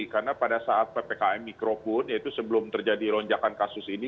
karena pada saat ppkm mikro pun yaitu sebelum terjadi lonjakan kasus ini